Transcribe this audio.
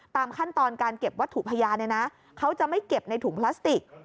ตามขั้นตอนการเก็บวัตถุพยานเนี่ยนะเขาจะไม่เก็บในถุงพลาสติก